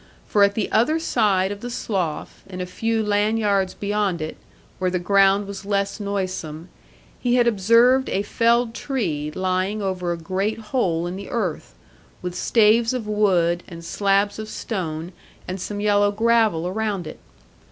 For at the other side of the Slough, and a few land yards beyond it, where the ground was less noisome, he had observed a felled tree lying over a great hole in the earth, with staves of wood, and slabs of stone, and some yellow gravel around it.